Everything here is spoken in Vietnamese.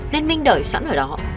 nên minh đợi sẵn ở đó